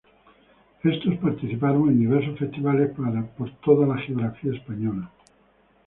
Estos participaron en diversos festivales por toda la geografía española.